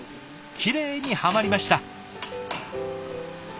きれいにはまりました！